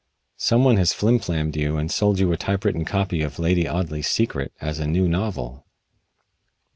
Some one has flim flammed you and sold you a typewritten copy of 'Lady Audley's Secret' as a new novel."